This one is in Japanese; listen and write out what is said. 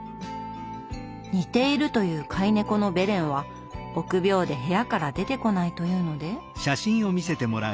似ているという飼い猫のベレンは臆病で部屋から出てこないというので。